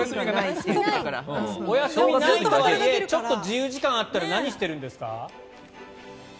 お休みない人はちょっと自由時間あったら何をされてるんですか？